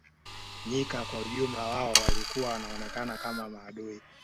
Nyika kwa ujumla wao walikuwa wanaonekana kama maadui